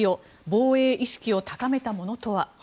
防衛意識を高めたものとは？